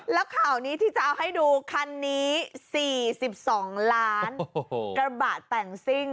แล้วข่าวนี้ที่จะเอาให้ดูคันนี้๔๒ล้านกระบะแต่งซิ่ง